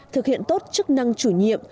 thực hiện tốt chức năng chủ nhiệm